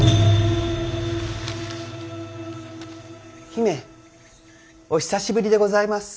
姫お久しぶりでございます。